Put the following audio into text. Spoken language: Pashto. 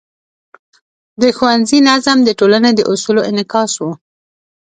د ښوونځي نظم د ټولنې د اصولو انعکاس و.